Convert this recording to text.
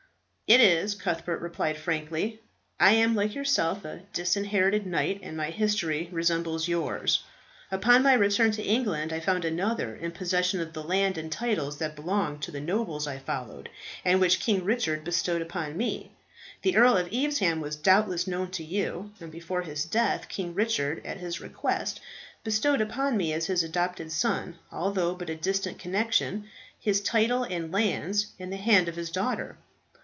"It is," Cuthbert replied frankly. "I am like yourself, a disinherited knight, and my history resembles yours. Upon my return to England I found another in possession of the land and titles that belonged to the noble I followed, and which King Richard bestowed upon me. The Earl of Evesham was doubtless known to you, and before his death King Richard, at his request, bestowed upon me as his adopted son although but a distant connexion his title and lands and the hand of his daughter.